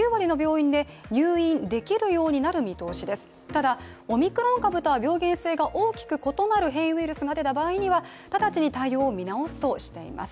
ただ、オミクロン株とは病原性が大きく異なる変異ウイルスが出た場合には直ちに対応を見直すとしています。